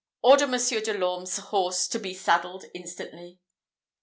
order Monsieur de l'Orme's horse to be saddled instantly!"